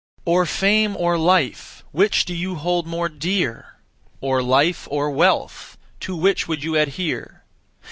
Or fame or life, Which do you hold more dear? Or life or wealth, To which would you adhere?